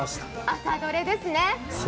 朝どれですね。